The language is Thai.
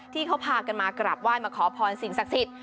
ที่เขาพากันมากราบไหว้มาขอพรสิ่งศักดิ์สิทธิ